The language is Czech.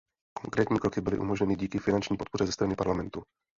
Konkrétní kroky byly umožněny díky finanční podpoře ze strany Parlamentu.